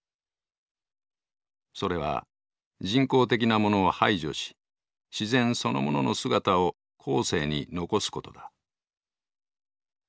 それは人工的なものを排除し自然そのものの姿を後世に残すことだ。